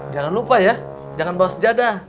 jangan lupa ya jangan bawa senjata